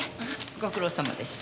ご苦労さまでした。